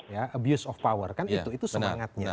ya abuse of power kan itu semangatnya